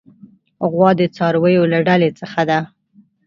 غوا د څارویو له ډلې څخه ده.